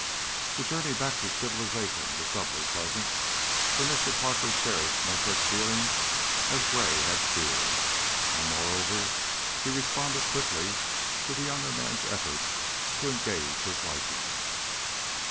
That journey back to civilization was doubly pleasant, for Mr. Parker cherished no such feelings as Gray had feared, and, moreover, he responded quickly to the younger man's efforts to engage his liking.